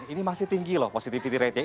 ini masih tinggi loh positifitasnya